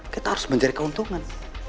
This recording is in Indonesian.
kita harus mencari keuntungan